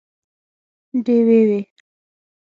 ډیوې وي